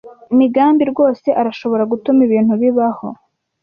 Migambi rwose arashobora gutuma ibintu bibaho.